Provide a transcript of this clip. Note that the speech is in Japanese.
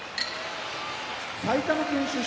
埼玉県出身